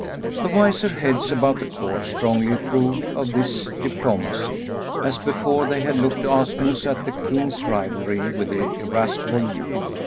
The wiser heads about the court strongly approved of this diplomacy, as before they had looked askance at the king's rivalry with the irascible youth.